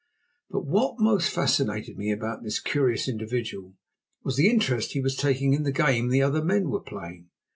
But what most fascinated me about this curious individual was the interest he was taking in the game the other men were playing.